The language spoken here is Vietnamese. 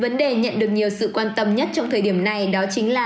vấn đề nhận được nhiều sự quan tâm nhất trong thời điểm này đó chính là